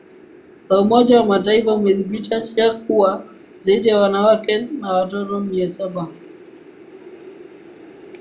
la umoja wamataifa umedhibitisha kuwa zaidi ya wananake na watoto mia saba